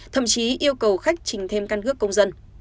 thậm chí yêu cầu khách trình thêm căn cước công dân